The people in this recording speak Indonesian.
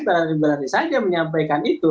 berani berani saja menyampaikan itu